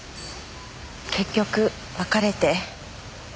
結局別れて。